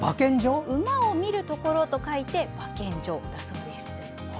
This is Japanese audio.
馬を見る所と書いて馬見所だそうです。